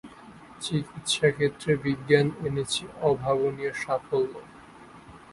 চিকিৎসাক্ষেত্রে বিজ্ঞান এনেছে অভাবনীয় সাফল্য।